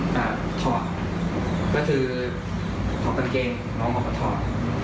แบบถอดก็คือทองกางเกงน้องก็เค้าถอด